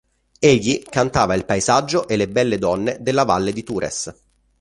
Egli cantava il paesaggio e le belle donne della valle di Tures.